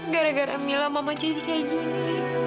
gara gara mila mama cici kayak gini